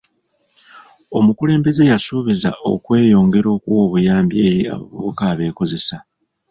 Omukulembeze yasuubizza okweyongera okuwa obuyambi eri abavubuka abeekozesa.